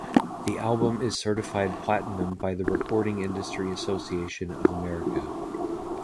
The album is certified Platinum by the Recording Industry Association of America.